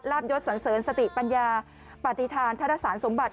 บยศสันเสริญสติปัญญาปฏิฐานธนสารสมบัติ